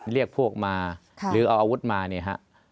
เรียกพวกมาหรือเอาอาวุธมาเนี่ยฮะ